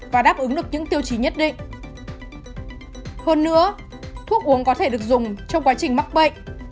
hơn nữa thuốc uống có thể được dùng trong quá trình mắc bệnh